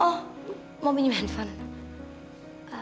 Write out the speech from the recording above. oh mau pinjam handphone